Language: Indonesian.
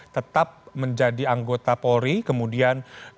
tetap menjadi anggota polri kemudian